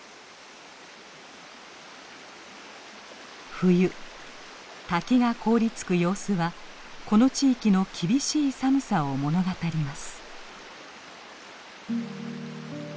冬滝が凍りつく様子はこの地域の厳しい寒さを物語ります。